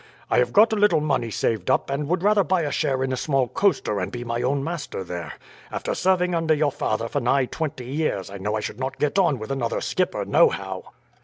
I have got a little money saved up, and would rather buy a share in a small coaster and be my own master there. After serving under your father for nigh twenty years, I know I should not get on with another skipper nohow."